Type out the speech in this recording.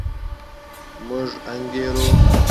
موږ انګېرو.